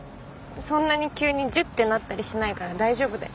そんなに急にジュッてなったりしないから大丈夫だよ。